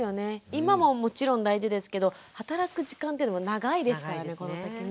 今ももちろん大事ですけど働く時間っていうのは長いですからねこの先ね。